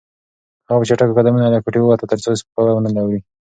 هغه په چټکو قدمونو له کوټې ووته ترڅو سپکاوی ونه اوري.